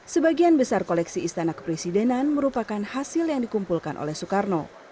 sebagian besar koleksi istana kepresidenan merupakan hasil yang dikumpulkan oleh soekarno